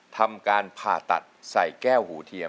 ทำการผ่าตัดใส่แก้วหูเทียม